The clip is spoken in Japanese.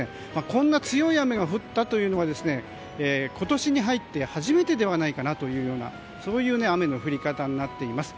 こんな強い雨が降ったというのは今年に入って初めてではないかという雨の降り方になっています。